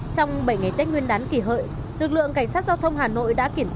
trong bảy ngày tết nguyên đán kỷ hội lực lượng cảnh sát giao thông đã đưa ra những lý do như thế này